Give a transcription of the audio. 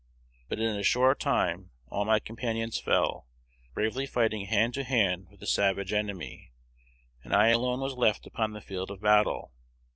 But in A short time all my companions fell, bravely fighting hand to hand with the savage enemy, and I alone was left upon the field of battle.